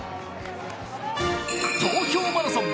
東京マラソン